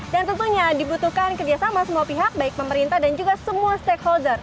dan tentunya dibutuhkan kerjasama semua pihak baik pemerintah dan juga semua stakeholder